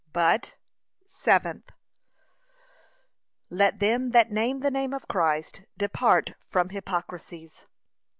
But, Seventh, Let them that name the name of Christ depart from HYPOCRISIES.